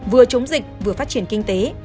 vừa chống dịch vừa phát triển kinh tế